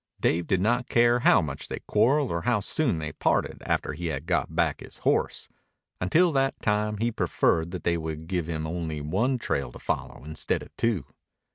Dave did not care how much they quarreled or how soon they parted after he had got back his horse. Until that time he preferred that they would give him only one trail to follow instead of two.